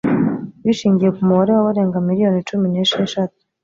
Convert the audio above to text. bishingiye ku mubare w'abarenga miliyoni cumi nesheshatu